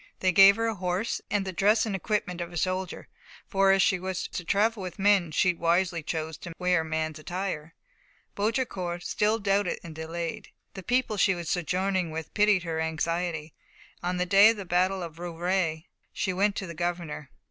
They gave her a horse, and the dress and equipment of a soldier; for as she was to travel with men, she wisely chose to wear man's attire. Baudricourt still doubted and delayed. The people she was sojourning with pitied her anxiety. On the day of the battle of Rouvray she went to the governor.